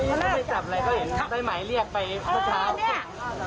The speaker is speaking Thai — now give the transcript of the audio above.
อ่าเขาไม่จับอะไรเขาเห็นได้หมายเรียกไปเมื่อเช้า